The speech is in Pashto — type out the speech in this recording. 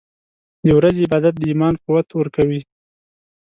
• د ورځې عبادت د ایمان قوت ورکوي.